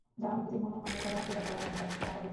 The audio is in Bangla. যা রামের প্রতি হনুমানের সদা-সেবাপরায়ণতার থাকার প্রতীক।